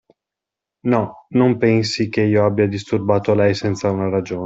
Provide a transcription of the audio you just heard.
No, non pensi ch'io abbia disturbato lei senza una ragione.